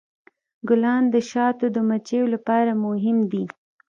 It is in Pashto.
ګلان د شاتو د مچیو لپاره مهم دي.